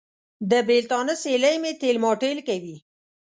د بېلتانه سیلۍ مې تېل ماټېل کوي.